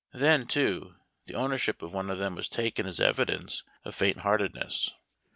Then, too, the ownership of one of them was taken as evidence of faint heartedness.